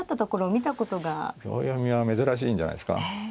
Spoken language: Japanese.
秒読みは珍しいんじゃないですか。